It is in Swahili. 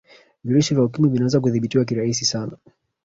virusi vya ukimwi vinaweza kuthibitiwa kirahisi sana